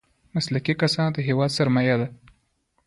مسلکي کسان د هېواد سرمايه ده.